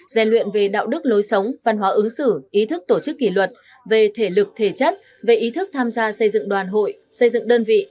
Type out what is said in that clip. gian luyện về đạo đức lối sống văn hóa ứng xử ý thức tổ chức kỷ luật về thể lực thể chất về ý thức tham gia xây dựng đoàn hội xây dựng đơn vị